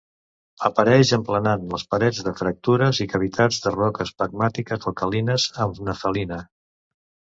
Apareix emplenat les parets de fractures i cavitats de roques pegmatites alcalines amb nefelina.